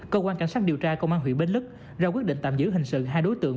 cơ quan cảnh sát điều tra công an huyện bến lức ra quyết định tạm giữ hình sự hai đối tượng